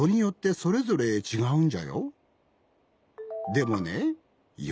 でもねよ